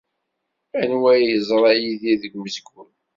Anwa ay yeẓra Yidir deg umezgun?